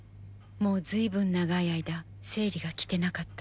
もう随分長い間生理が来てなかった。